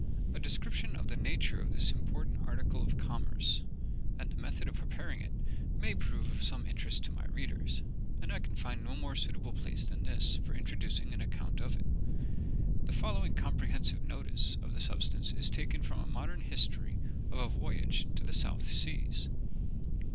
A description of the nature of this important article of commerce, and the method of preparing it, may prove of some interest to my readers, and I can find no more suitable place than this for introducing an account of it. The following comprehensive notice of the substance is taken from a modern history of a voyage to the South Seas.